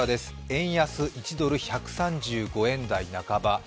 円安１ドル＝１３５円台半ば。